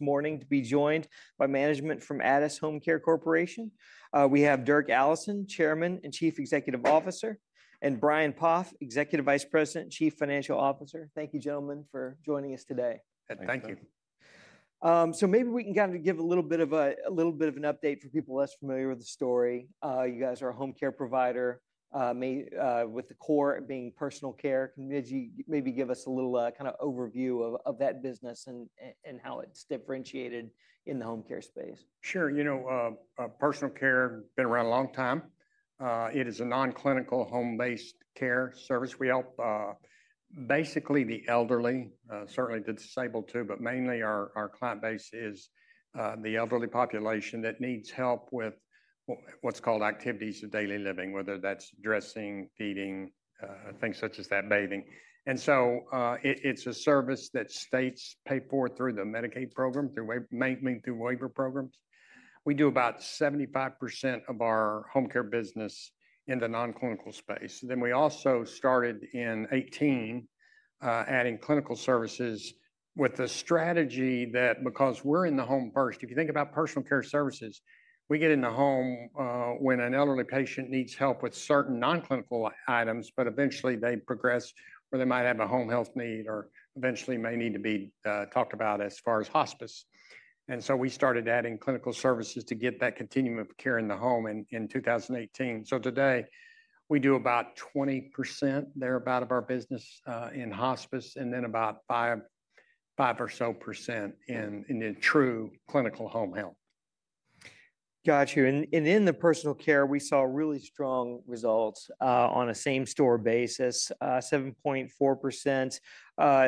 Morning to be joined by management from Addus HomeCare Corporation. We have Dirk Allison, Chairman and Chief Executive Officer, and Brian Poff, Executive Vice President and Chief Financial Officer. Thank you, gentlemen, for joining us today. Thank you. Maybe we can kind of give a little bit of an update for people less familiar with the story. You guys are a home care provider with the core being personal care. Can you maybe give us a little kind of overview of that business and how it's differentiated in the home care space? Sure. You know, personal care has been around a long time. It is a non-clinical home-based care service. We help basically the elderly, certainly the disabled too, but mainly our client base is the elderly population that needs help with what's called activities of daily living, whether that's dressing, feeding, things such as that, bathing. It is a service that states pay for through the Medicaid program, through maintenance, through waiver programs. We do about 75% of our home care business in the non-clinical space. We also started in 2018 adding clinical services with a strategy that, because we're in the home first, if you think about personal care services, we get in the home when an elderly patient needs help with certain non-clinical items, but eventually they progress or they might have a home health need or eventually may need to be talked about as far as hospice. We started adding clinical services to get that continuum of care in the home in 2018. Today we do about 20% thereabout of our business in hospice and then about 5% or so in true clinical home health. Got you. In the personal care, we saw really strong results on a same store basis, 7.4%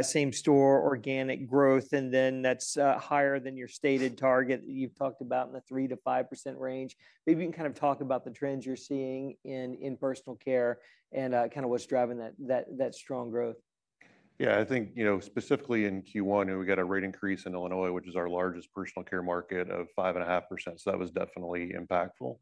same store organic growth, and then that's higher than your stated target that you've talked about in the 3-5% range. Maybe you can kind of talk about the trends you're seeing in personal care and kind of what's driving that strong growth. Yeah, I think, you know, specifically in Q1, we got a rate increase in Illinois, which is our largest personal care market, of 5.5%. That was definitely impactful.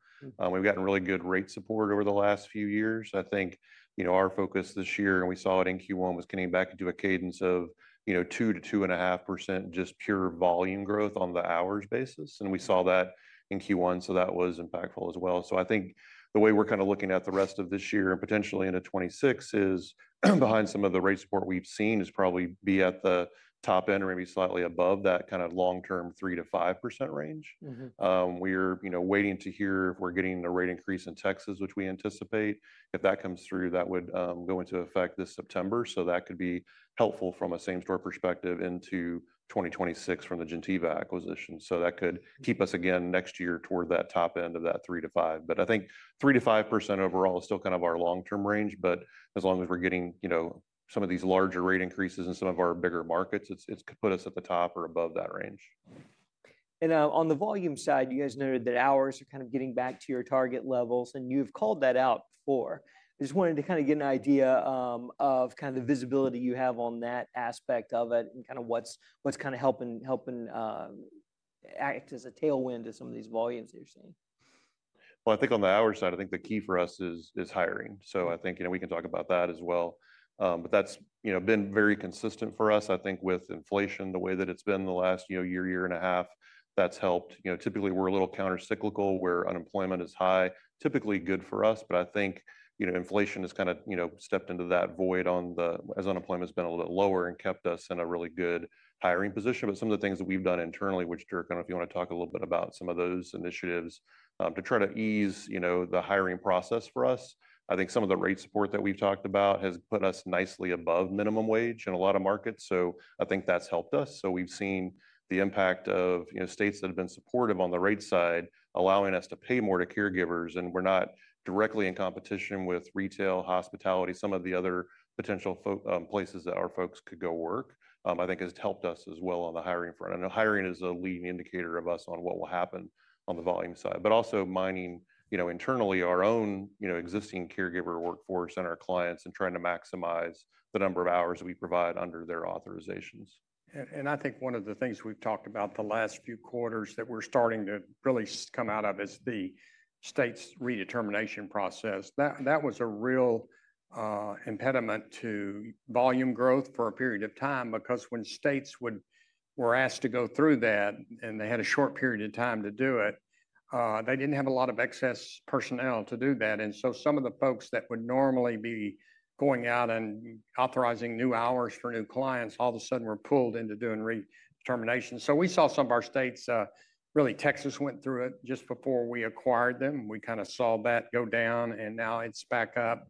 We've gotten really good rate support over the last few years. I think, you know, our focus this year, and we saw it in Q1, was getting back into a cadence of, you know, 2-2.5% just pure volume growth on the hours basis. We saw that in Q1, so that was impactful as well. I think the way we're kind of looking at the rest of this year and potentially into 2026 is behind some of the rate support we've seen is probably be at the top end or maybe slightly above that kind of long-term 3-5% range. We are, you know, waiting to hear if we're getting a rate increase in Texas, which we anticipate. If that comes through, that would go into effect this September. That could be helpful from a same store perspective into 2026 from the Geneva acquisition. That could keep us again next year toward that top end of that 3-5%. I think 3-5% overall is still kind of our long-term range, but as long as we're getting, you know, some of these larger rate increases in some of our bigger markets, it could put us at the top or above that range. On the volume side, you guys noted that hours are kind of getting back to your target levels, and you've called that out before. I just wanted to kind of get an idea of the visibility you have on that aspect of it and what's helping act as a tailwind to some of these volumes that you're seeing. I think on the hour side, I think the key for us is hiring. I think, you know, we can talk about that as well. That has been very consistent for us. I think with inflation, the way that it has been the last year, year and a half, that has helped. You know, typically we are a little countercyclical where unemployment is high, typically good for us, but I think, you know, inflation has kind of, you know, stepped into that void as unemployment has been a little bit lower and kept us in a really good hiring position. Some of the things that we have done internally, which Dirk, I do not know if you want to talk a little bit about some of those initiatives to try to ease, you know, the hiring process for us. I think some of the rate support that we've talked about has put us nicely above minimum wage in a lot of markets. I think that's helped us. We've seen the impact of, you know, states that have been supportive on the rate side, allowing us to pay more to caregivers, and we're not directly in competition with retail, hospitality, some of the other potential places that our folks could go work. I think it's helped us as well on the hiring front. I know hiring is a leading indicator of us on what will happen on the volume side, but also mining, you know, internally our own, you know, existing caregiver workforce and our clients and trying to maximize the number of hours we provide under their authorizations. I think one of the things we've talked about the last few quarters that we're starting to really come out of is the state's redetermination process. That was a real impediment to volume growth for a period of time because when states were asked to go through that and they had a short period of time to do it, they didn't have a lot of excess personnel to do that. Some of the folks that would normally be going out and authorizing new hours for new clients all of a sudden were pulled into doing redetermination. We saw some of our states, really Texas went through it just before we acquired them. We kind of saw that go down and now it's back up.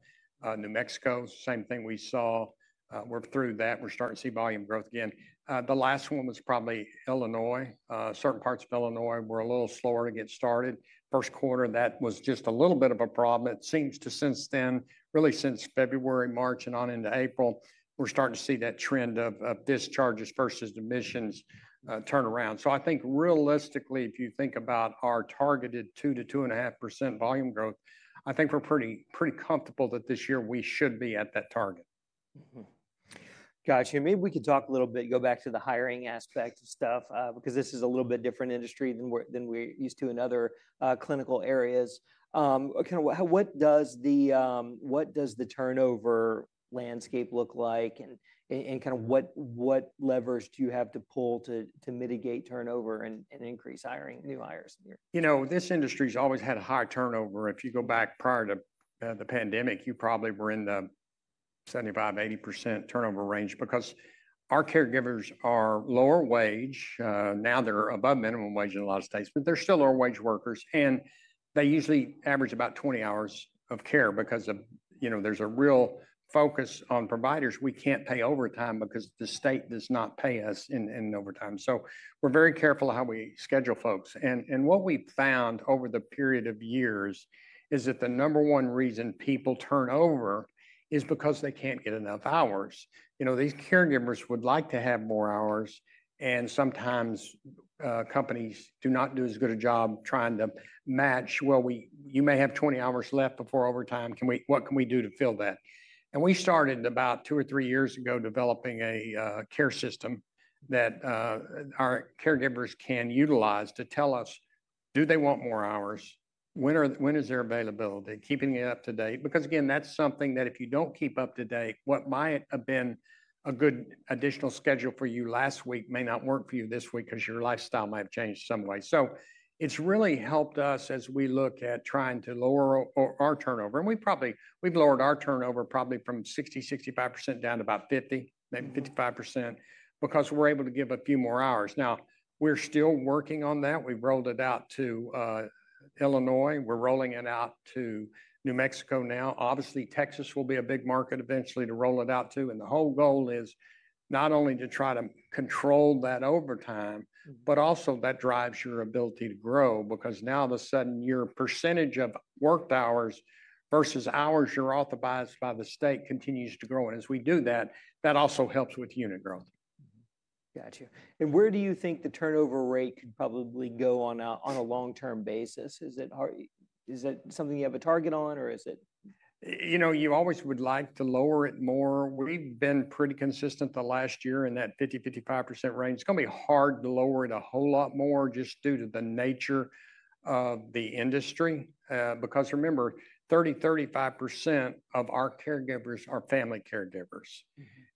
New Mexico, same thing we saw. We're through that. We're starting to see volume growth again. The last one was probably Illinois. Certain parts of Illinois were a little slower to get started. First Quarter, that was just a little bit of a problem. It seems to since then, really since February, March and on into April, we're starting to see that trend of discharges versus admissions turnaround. I think realistically, if you think about our targeted 2-2.5% volume growth, I think we're pretty comfortable that this year we should be at that target. Got you. Maybe we could talk a little bit, go back to the hiring aspect of stuff because this is a little bit different industry than we're used to in other clinical areas. Kind of what does the turnover landscape look like and kind of what levers do you have to pull to mitigate turnover and increase hiring new hires? You know, this industry has always had a high turnover. If you go back prior to the pandemic, you probably were in the 75-80% turnover range because our caregivers are lower wage. Now they're above minimum wage in a lot of states, but they're still lower wage workers and they usually average about 20 hours of care because of, you know, there's a real focus on providers. We can't pay overtime because the state does not pay us in overtime. So we're very careful how we schedule folks. What we found over the period of years is that the number 1 reason people turn over is because they can't get enough hours. You know, these caregivers would like to have more hours and sometimes companies do not do as good a job trying to match, well, you may have 20 hours left before overtime. What can we do to fill that? We started about two or 3 years ago developing a care system that our caregivers can utilize to tell us, do they want more hours? When is their availability? Keeping it up to date. Because again, that's something that if you don't keep up to date, what might have been a good additional schedule for you last week may not work for you this week because your lifestyle might have changed some way. It's really helped us as we look at trying to lower our turnover. We've probably lowered our turnover from 60-65% down to about 50, maybe 55% because we're able to give a few more hours. We're still working on that. We've rolled it out to Illinois. We're rolling it out to New Mexico now. Obviously, Texas will be a big market eventually to roll it out to. The whole goal is not only to try to control that overtime, but also that drives your ability to grow because now all of a sudden your percentage of worked hours versus hours you're authorized by the state continues to grow. As we do that, that also helps with unit growth. Got you. Where do you think the turnover rate could probably go on a long-term basis? Is that something you have a target on or is it? You know, you always would like to lower it more. We've been pretty consistent the last year in that 50-55% range. It's going to be hard to lower it a whole lot more just due to the nature of the industry because remember, 30-35% of our caregivers are family caregivers.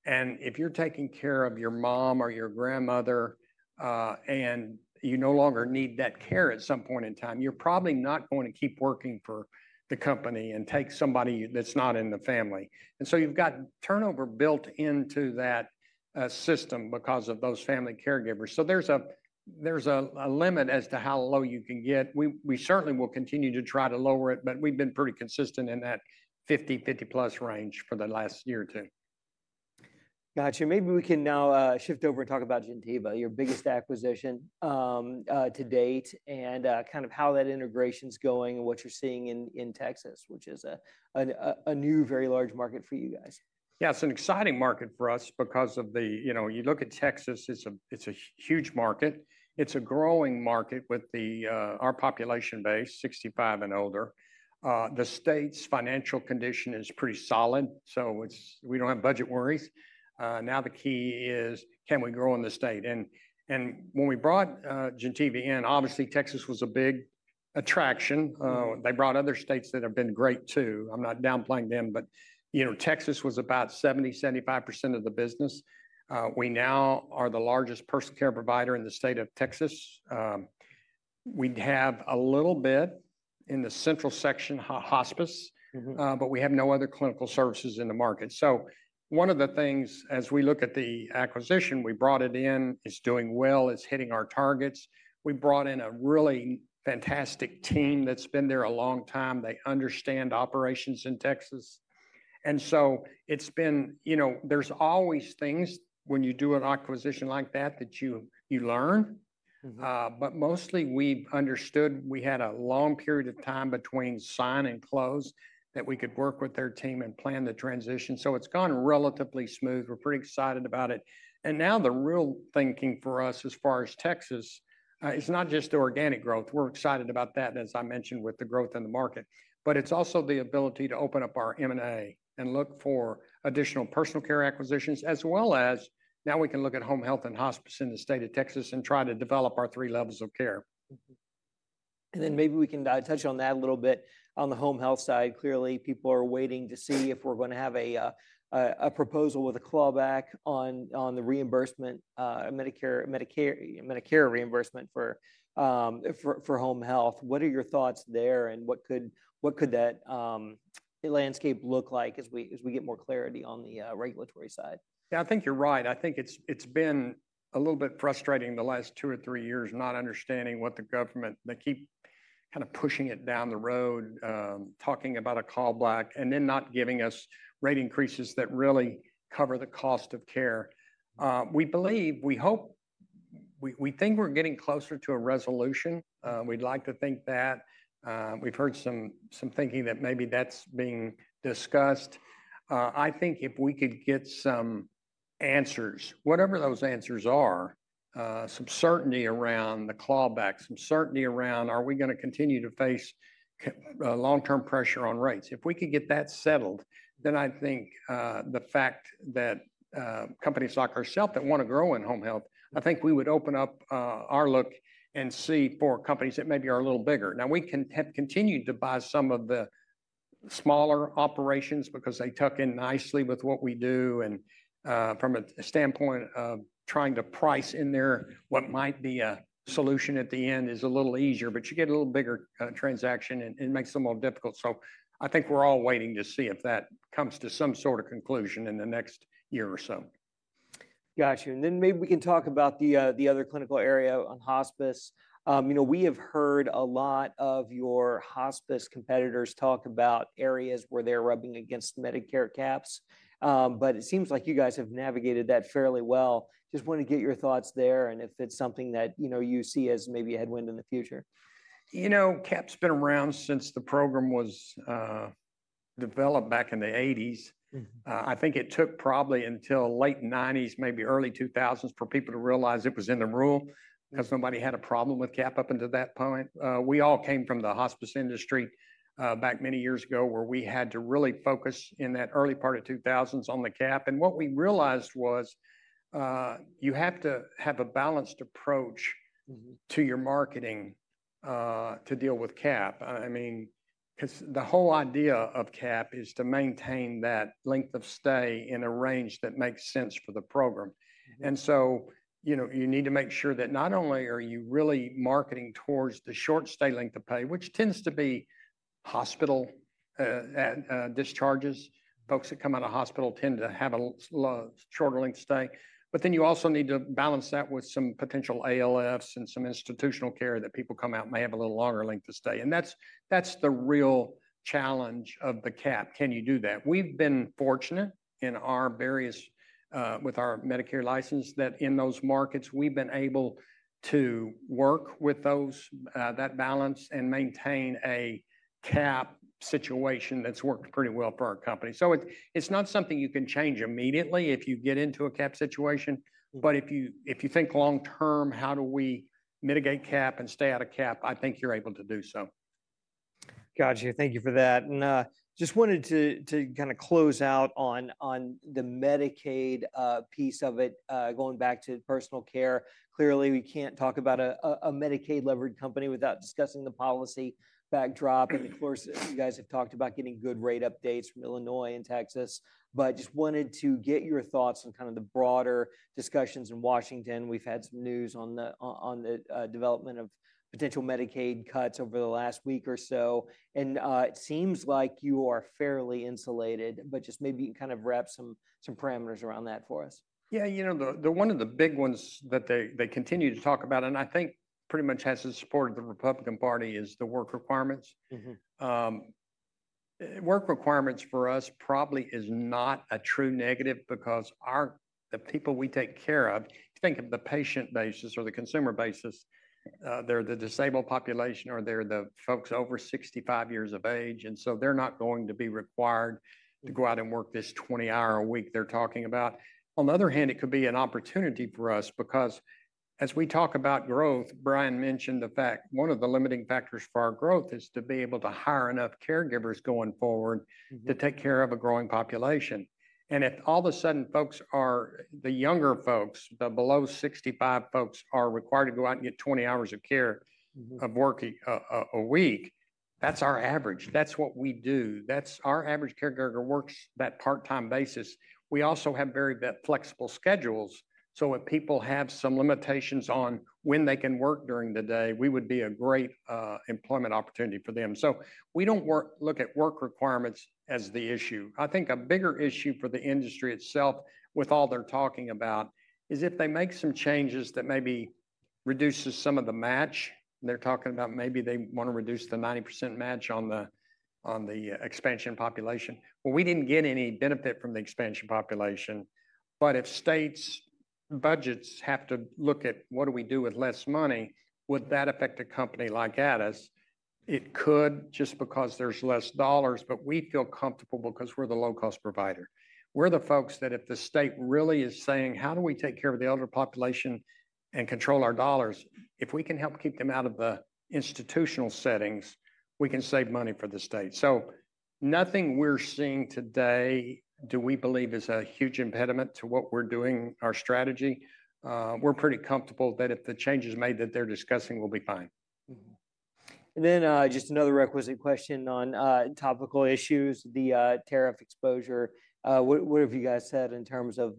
And if you're taking care of your mom or your grandmother and you no longer need that care at some point in time, you're probably not going to keep working for the company and take somebody that's not in the family. You've got turnover built into that system because of those family caregivers. There is a limit as to how low you can get. We certainly will continue to try to lower it, but we've been pretty consistent in that 50-50 plus range for the last year or 2. Got you. Maybe we can now shift over and talk about Geneva, your biggest acquisition to date and kind of how that integration is going and what you're seeing in Texas, which is a new very large market for you guys. Yeah, it's an exciting market for us because of the, you know, you look at Texas, it's a huge market. It's a growing market with our population base, 65 and older. The state's financial condition is pretty solid. So we don't have budget worries. Now the key is, can we grow in the state? And when we brought Geneva in, obviously Texas was a big attraction. They brought other states that have been great too. I'm not downplaying them, but you know, Texas was about 70-75% of the business. We now are the largest personal care provider in the state of Texas. We have a little bit in the central section hospice, but we have no other clinical services in the market. One of the things as we look at the acquisition we brought it in is doing well. It's hitting our targets. We brought in a really fantastic team that's been there a long time. They understand operations in Texas. It's been, you know, there's always things when you do an acquisition like that that you learn, but mostly we've understood we had a long period of time between sign and close that we could work with their team and plan the transition. It's gone relatively smooth. We're pretty excited about it. Now the real thinking for us as far as Texas is not just the organic growth. We're excited about that, as I mentioned, with the growth in the market, but it's also the ability to open up our M&A and look for additional personal care acquisitions, as well as now we can look at home health and hospice in the state of Texas and try to develop our 3 levels of care. Maybe we can touch on that a little bit on the home health side. Clearly, people are waiting to see if we're going to have a proposal with a clawback on the reimbursement, Medicare reimbursement for home health. What are your thoughts there and what could that landscape look like as we get more clarity on the regulatory side? Yeah, I think you're right. I think it's been a little bit frustrating the last 2 or 3 years not understanding what the government, they keep kind of pushing it down the road, talking about a clawback and then not giving us rate increases that really cover the cost of care. We believe, we hope, we think we're getting closer to a resolution. We'd like to think that. We've heard some thinking that maybe that's being discussed. I think if we could get some answers, whatever those answers are, some certainty around the clawback, some certainty around are we going to continue to face long-term pressure on rates. If we could get that settled, then I think the fact that companies like ourselves that want to grow in home health, I think we would open up our look and see for companies that maybe are a little bigger. Now we have continued to buy some of the smaller operations because they tuck in nicely with what we do. From a standpoint of trying to price in there what might be a solution at the end is a little easier, but you get a little bigger transaction and it makes it a little difficult. I think we're all waiting to see if that comes to some sort of conclusion in the next year or so. Got you. Maybe we can talk about the other clinical area on hospice. You know, we have heard a lot of your hospice competitors talk about areas where they're rubbing against Medicare caps, but it seems like you guys have navigated that fairly well. Just want to get your thoughts there and if it's something that, you know, you see as maybe a headwind in the future. You know, cap's been around since the program was developed back in the 1980s. I think it took probably until the late 1990s, maybe early 2000s for people to realize it was in the rule because nobody had a problem with cap up until that point. We all came from the hospice industry back many years ago where we had to really focus in that early part of the 2000s on the cap. And what we realized was you have to have a balanced approach to your marketing to deal with cap. I mean, because the whole idea of cap is to maintain that length of stay in a range that makes sense for the program. You need to make sure that not only are you really marketing towards the short stay length of pay, which tends to be hospital discharges. Folks that come out of hospital tend to have a shorter length of stay. You also need to balance that with some potential ALFs and some institutional care that people come out and may have a little longer length of stay. That is the real challenge of the cap. Can you do that? We have been fortunate in our various with our Medicare license that in those markets we have been able to work with those, that balance and maintain a cap situation that has worked pretty well for our company. It is not something you can change immediately if you get into a cap situation, but if you think long term, how do we mitigate cap and stay out of cap, I think you are able to do so. Got you. Thank you for that. Just wanted to kind of close out on the Medicaid piece of it, going back to personal care. Clearly, we can't talk about a Medicaid levered company without discussing the policy backdrop. Of course, you guys have talked about getting good rate updates from Illinois and Texas, but just wanted to get your thoughts on kind of the broader discussions in Washington. We've had some news on the development of potential Medicaid cuts over the last week or so. It seems like you are fairly insulated, but just maybe you can kind of wrap some parameters around that for us. Yeah, you know, 1 of the big ones that they continue to talk about and I think pretty much has the support of the Republican Party is the work requirements. Work requirements for us probably is not a true negative because the people we take care of, think of the patient basis or the consumer basis, they're the disabled population or they're the folks over 65 years of age. They are not going to be required to go out and work this 20 hour a week they're talking about. On the other hand, it could be an opportunity for us because as we talk about growth, Brian mentioned the fact 1 of the limiting factors for our growth is to be able to hire enough caregivers going forward to take care of a growing population. If all of a sudden folks are, the younger folks, the below 65 folks are required to go out and get 20 hours of work a week, that's our average. That's what we do. That's our average caregiver works that part-time basis. We also have very flexible schedules. If people have some limitations on when they can work during the day, we would be a great employment opportunity for them. We don't look at work requirements as the issue. I think a bigger issue for the industry itself with all they're talking about is if they make some changes that maybe reduces some of the match. They're talking about maybe they want to reduce the 90% match on the expansion population. We did not get any benefit from the expansion population, but if states' budgets have to look at what do we do with less money, would that affect a company like Addus? It could just because there is less dollars, but we feel comfortable because we are the low-cost provider. We are the folks that if the state really is saying, how do we take care of the elder population and control our dollars, if we can help keep them out of the institutional settings, we can save money for the state. Nothing we are seeing today do we believe is a huge impediment to what we are doing, our strategy. We are pretty comfortable that if the changes made that they are discussing will be fine. Just another requisite question on topical issues, the tariff exposure. What have you guys said in terms of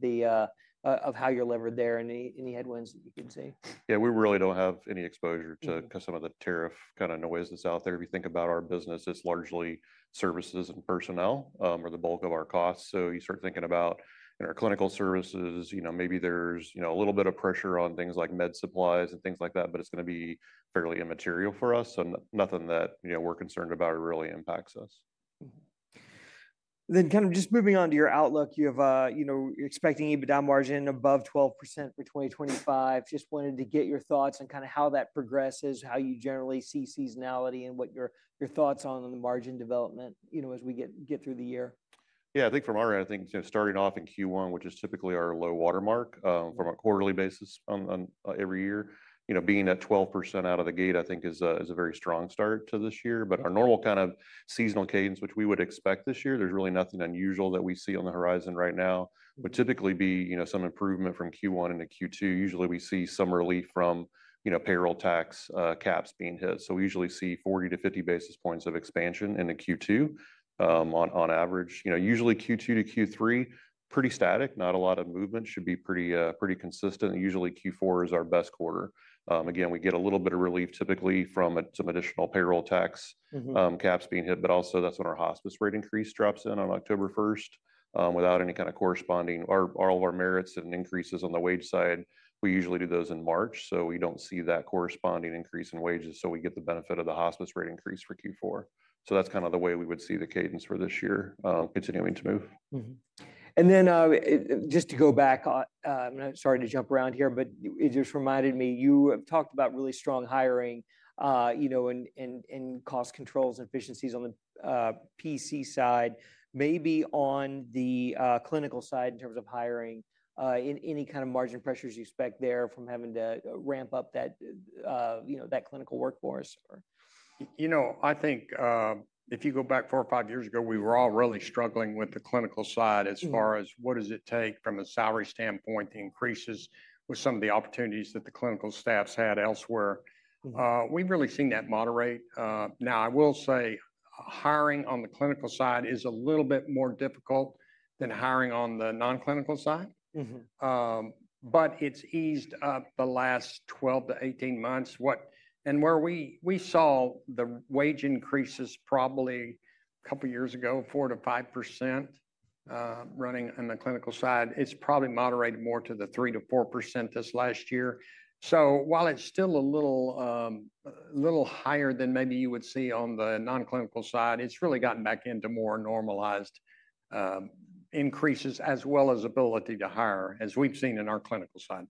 how you're levered there? Any headwinds that you can see? Yeah, we really do not have any exposure to some of the tariff kind of noise that is out there. If you think about our business, it is largely services and personnel are the bulk of our costs. You start thinking about in our clinical services, you know, maybe there is a little bit of pressure on things like med supplies and things like that, but it is going to be fairly immaterial for us. Nothing that we are concerned about really impacts us. Kind of just moving on to your outlook, you're expecting EBITDA margin above 12% for 2025. Just wanted to get your thoughts on kind of how that progresses, how you generally see seasonality and what your thoughts are on the margin development, you know, as we get through the year. Yeah, I think from our end, I think starting off in Q1, which is typically our low watermark from a quarterly basis every year, you know, being at 12% out of the gate, I think is a very strong start to this year. Our normal kind of seasonal cadence, which we would expect this year, there is really nothing unusual that we see on the horizon right now. Would typically be, you know, some improvement from Q1 into Q2. Usually we see some relief from, you know, payroll tax caps being hit. We usually see 40-50 basis points of expansion in Q2 on average. You know, usually Q2 to Q3, pretty static, not a lot of movement, should be pretty consistent. Usually Q4 is our best quarter. Again, we get a little bit of relief typically from some additional payroll tax caps being hit, but also that's when our hospice rate increase drops in on October 1 without any kind of corresponding or all of our merits and increases on the wage side. We usually do those in March. We don't see that corresponding increase in wages. We get the benefit of the hospice rate increase for Q4. That's kind of the way we would see the cadence for this year continuing to move. Just to go back, I'm sorry to jump around here, but it just reminded me you have talked about really strong hiring, you know, and cost controls and efficiencies on the PC side, maybe on the clinical side in terms of hiring, any kind of margin pressures you expect there from having to ramp up that, you know, that clinical workforce? You know, I think if you go back 4 or 5 years ago, we were all really struggling with the clinical side as far as what does it take from a salary standpoint, the increases with some of the opportunities that the clinical staffs had elsewhere. We've really seen that moderate. Now I will say hiring on the clinical side is a little bit more difficult than hiring on the non-clinical side, but it's eased up the last 12 to 18 months. Where we saw the wage increases probably a couple of years ago, 4-5% running on the clinical side, it's probably moderated more to the 3-4% this last year. While it's still a little higher than maybe you would see on the non-clinical side, it's really gotten back into more normalized increases as well as ability to hire as we've seen in our clinical side.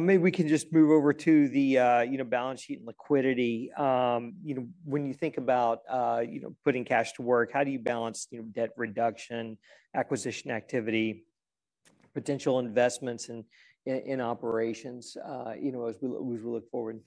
Maybe we can just move over to the, you know, balance sheet and liquidity. You know, when you think about, you know, putting cash to work, how do you balance, you know, debt reduction, acquisition activity, potential investments in operations, you know, as we look forward?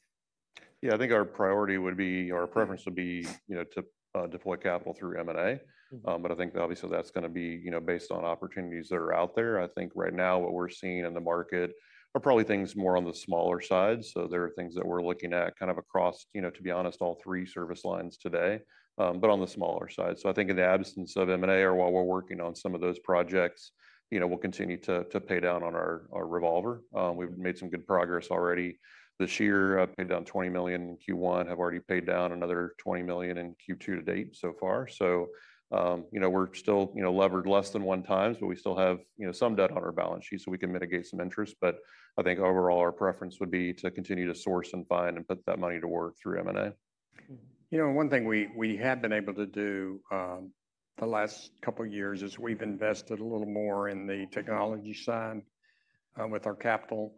Yeah, I think our priority would be, our preference would be, you know, to deploy capital through M&A. But I think obviously that's going to be, you know, based on opportunities that are out there. I think right now what we're seeing in the market are probably things more on the smaller side. So there are things that we're looking at kind of across, you know, to be honest, all three service lines today, but on the smaller side. So I think in the absence of M&A or while we're working on some of those projects, you know, we'll continue to pay down on our revolver. We've made some good progress already this year, paid down $20 million in Q1, have already paid down another $20 million in Q2 to date so far. You know, we're still, you know, levered less than one times, but we still have, you know, some debt on our balance sheet so we can mitigate some interest. I think overall our preference would be to continue to source and find and put that money to work through M&A. You know, one thing we have been able to do the last couple of years is we've invested a little more in the technology side with our capital.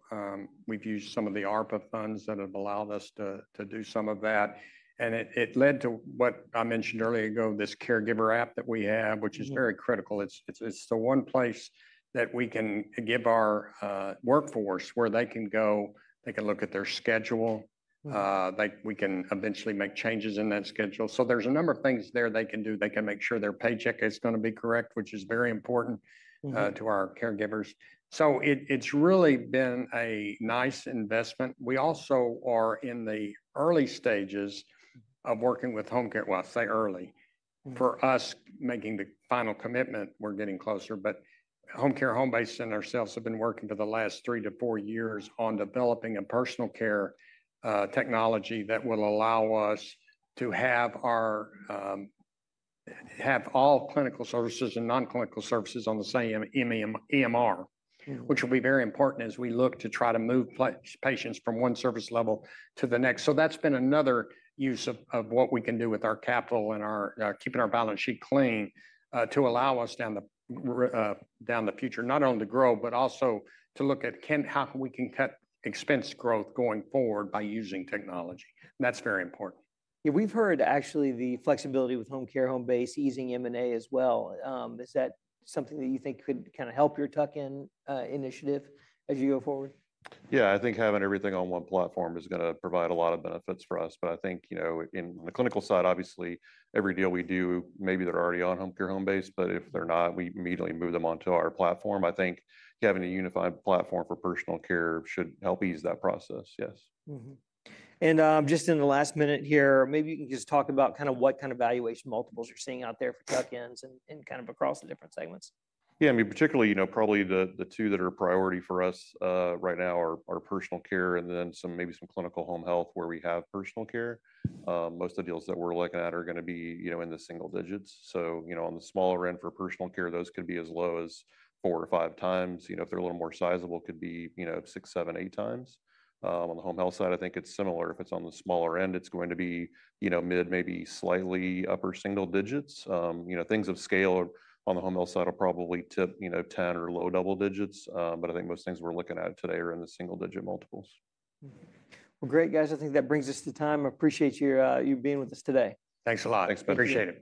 We've used some of the ARPA funds that have allowed us to do some of that. It led to what I mentioned earlier ago, this caregiver app that we have, which is very critical. It's the 1 place that we can give our workforce where they can go, they can look at their schedule. We can eventually make changes in that schedule. There's a number of things there they can do. They can make sure their paycheck is going to be correct, which is very important to our caregivers. It's really been a nice investment. We also are in the early stages of working with Homecare Homebase. Well, I say early. For us making the final commitment, we're getting closer, but Homecare Homebase centers have been working for the last three to four years on developing a personal care technology that will allow us to have all clinical services and non-clinical services on the same EMR, which will be very important as we look to try to move patients from 1 service level to the next. That has been another use of what we can do with our capital and our keeping our balance sheet clean to allow us down the future, not only to grow, but also to look at how we can cut expense growth going forward by using technology. That is very important. Yeah, we've heard actually the flexibility with home care, home-based, easing M&A as well. Is that something that you think could kind of help your tuck-in initiative as you go forward? Yeah, I think having everything on one platform is going to provide a lot of benefits for us. I think, you know, in the clinical side, obviously every deal we do, maybe they're already on Homecare Homebase, but if they're not, we immediately move them onto our platform. I think having a unified platform for personal care should help ease that process. Yes. Just in the last minute here, maybe you can just talk about kind of what kind of valuation multiples you're seeing out there for tuck-ins and kind of across the different segments. Yeah, I mean, particularly, you know, probably the 2 that are a priority for us right now are personal care and then maybe some clinical home health where we have personal care. Most of the deals that we're looking at are going to be, you know, in the single digits. So, you know, on the smaller end for personal care, those could be as low as four or five times. You know, if they're a little more sizable, it could be, you know, six, seven, eight times. On the home health side, I think it's similar. If it's on the smaller end, it's going to be, you know, mid, maybe slightly upper single digits. You know, things of scale on the home health side will probably tip, you know, 10 or low double digits. I think most things we're looking at today are in the single digit multiples. Great, guys. I think that brings us to time. I appreciate you being with us today. Thanks a lot. Appreciate it.